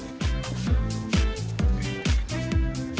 bagaimana cara membuatnya